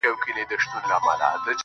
چي ته حال راكړې گرانه زه درځمه.